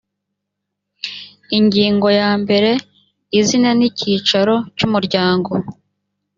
ingingo ya mbere izina n icyicaro cyumuryango